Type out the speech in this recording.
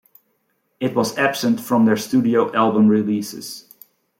It was absent from their studio album releases.